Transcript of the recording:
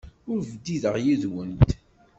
Ur bdideɣ yid-went.